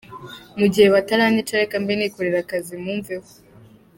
Mu gihe bataranyica reka mbe nikorera akazi mumveho.”